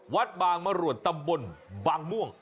วัดบางมรวดตำบลบางม่วง